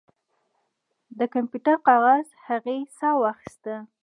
د کمپیوټر کاغذ هغې ساه واخیسته